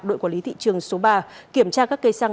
đội quản lý thị trường số ba kiểm tra các cây xăng